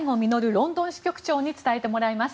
ロンドン支局長に伝えてもらいます。